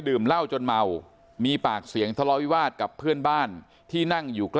เหล้าจนเมามีปากเสียงทะเลาวิวาสกับเพื่อนบ้านที่นั่งอยู่ใกล้